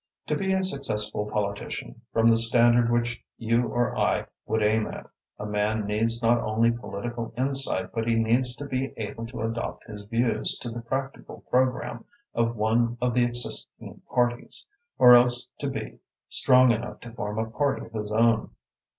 "To be a successful politician, from the standard which you or I would aim at, a man needs not only political insight, but he needs to be able to adopt his views to the practical programme of one of the existing parties, or else to be strong enough to form a party of his own.